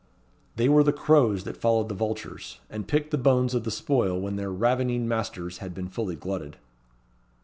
They were the crows that followed the vultures, and picked the bones of the spoil when their ravening masters had been fully glutted.